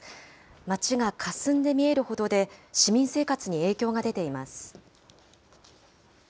街がかすんで見えるほどで、市民生活に影響が出ています。